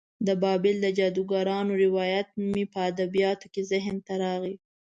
د بابل د جادوګرانو روایت مې په ادبیاتو کې ذهن ته راغی.